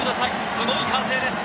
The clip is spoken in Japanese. すごい歓声です